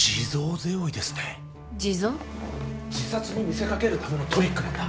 自殺に見せかけるためのトリックなんだ。